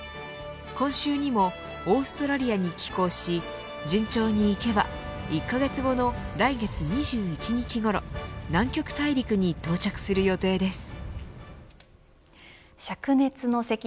今週にもオーストラリアに寄港し順調にいけば１カ月後の来月２１日ごろ南極大陸に到着する予定です。